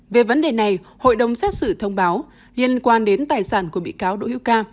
về vấn đề này hội đồng xét xử thông báo liên quan đến tài sản của bị cáo đỗ hữu ca